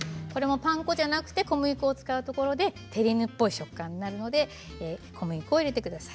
パン粉じゃなく小麦粉を使うことでテリーヌっぽい食感になるので小麦粉を入れてください。